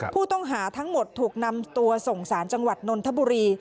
ผู้ต้องหาทั้งหมดถูกนำตัวส่งสารจังหวัดนนทบุรี